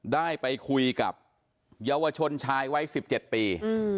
ได้ไปคุยกับเยาวชนชายวัย๑๗ปี